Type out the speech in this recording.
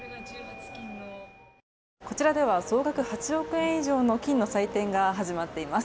こちらでは総額８億円以上の金の祭典が始まっています。